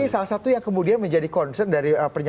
salah satu yang menyebabkan concern dari